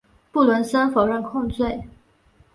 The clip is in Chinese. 布伦森否认控罪。